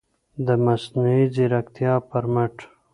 د مصنوعي ځیرکتیا پر مټ